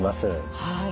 はい。